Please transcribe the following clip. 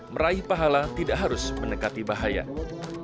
meraih pahala tidak harus menekati bahagian